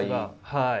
はい。